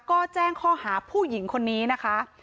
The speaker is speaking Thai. ก็แจ้งข้อหาผู้หญิงคนนี้นะคะ